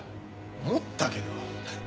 思ったけど。